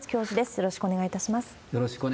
よろしくお願いします。